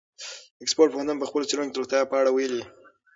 د اکسفورډ پوهنتون په خپلو څېړنو کې د روغتیا په اړه ویلي.